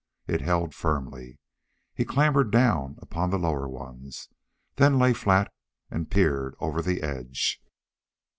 It held firmly. He clambered down upon the lower ones, then lay flat and peered over the edge.